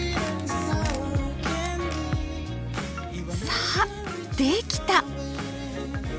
さあできた！